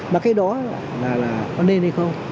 mà cái đó là có nên hay không